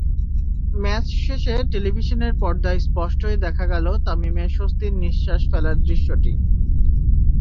Match শেষে টেলিভিশনের পর্দায় স্পষ্টই দেখা গেল তামিমের স্বস্তির নিঃশ্বাস ফেলার দৃশ্যটি।